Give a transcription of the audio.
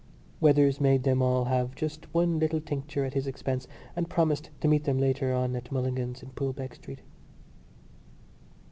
Weathers made them all have just one little tincture at his expense and promised to meet them later on at Mulligan's in Poolbeg Street.